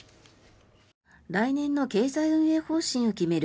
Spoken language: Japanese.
来年の経済運営方針を決める